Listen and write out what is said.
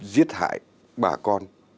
giết hại bà con